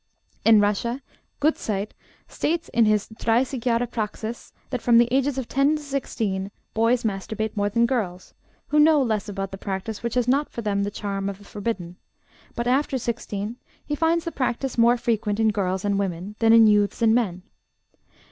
In Russia, Guttceit states in his Dreissig Jahre Praxis, that from the ages of 10 to 16 boys masturbate more than girls, who know less about the practice which has not for them the charm of the forbidden, but after 16 he finds the practice more frequent in girls and women than in youths and men.